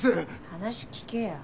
話聞けよ。